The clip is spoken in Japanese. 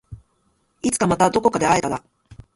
いつかまたどこかで会えたら